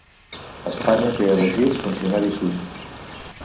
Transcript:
Espanya té elegits funcionaris suïssos.